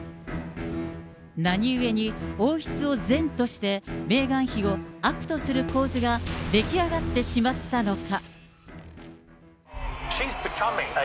何ゆえに王室を善として、メーガン妃を悪とする構図が出来上がってしまったのか。